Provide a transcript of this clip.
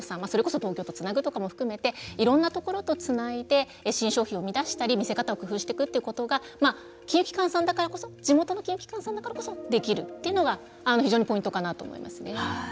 それこそ東京とつなぐということも含めていろんなところとつないで新商品を生み出したり見せ方を工夫していくということが金融機関だからこそ地元の金融機関さんだからこそできるというのが非常にポイントかなと思いますね。